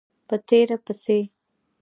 په تېر پسې